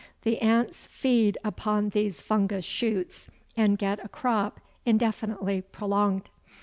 The ants feed upon these fungus shoots, and get a crop indefinitely prolonged.